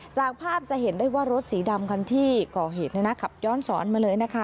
จากภาพจะเห็นได้ว่ารถสีดำคันที่ก่อเหตุขับย้อนสอนมาเลยนะคะ